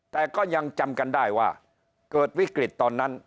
แต่ก็ยังจำกันได้ว่าเกิดวิกฤตตอนนั้น